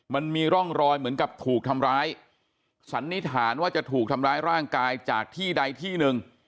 มันมีร่องรอยเหมือนกับถูกทำร้ายสันนิษฐานว่าจะถูกทำร้ายร่างกายจากที่ใดที่หนึ่ง